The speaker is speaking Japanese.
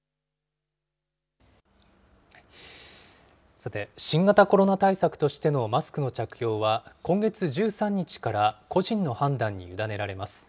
さて、新型コロナ対策としてのマスクの着用は、今月１３日から個人の判断に委ねられます。